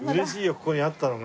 ここにあったのが。